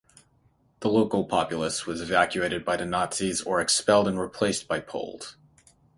The local populace was evacuated by the Nazis or expelled and replaced by Poles.